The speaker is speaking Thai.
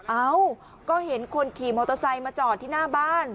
เอ้าก็เห็นคนขี่มอเตอร์ไซค์มาจอดที่หน้าบ้าน